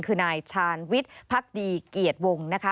คือนายชาญวิทย์พักดีเกียรติวงศ์นะคะ